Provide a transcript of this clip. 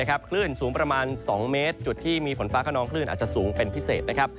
คลื่นสูงประมาณ๒เมตรจุดที่มีฝนฟ้าขนองคลื่นอาจจะสูงเป็นพิเศษ